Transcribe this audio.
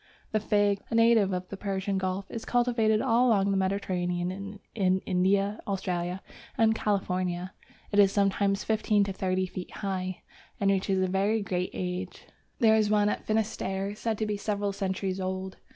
The Fig, a native of the Persian Gulf, is cultivated all along the Mediterranean and in India, Australia, and California. It is sometimes fifteen to thirty feet high, and reaches a very great age. There is one at Finisterre said to be several centuries old.